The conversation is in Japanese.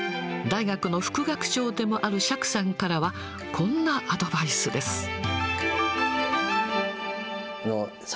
大学の副学長でもある釈さんからは、こんなアドバイスです。